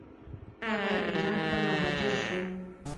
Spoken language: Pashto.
هغه ایران ته مهاجر شو.